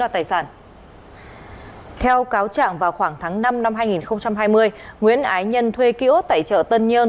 theo cáo trạng vào khoảng tháng năm năm hai nghìn hai mươi nguyễn ái nhân thuê ký ốt tại chợ tân nhơn